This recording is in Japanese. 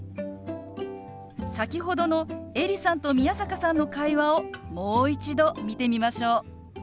先ほどのエリさんと宮坂さんの会話をもう一度見てみましょう。